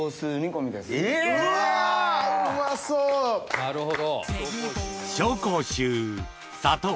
なるほど。